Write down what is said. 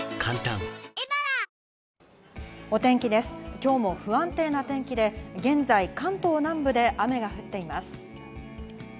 今日も不安定な天気で現在、関東南部で雨が降っています。